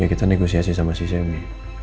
ya kita negosiasi sama si semi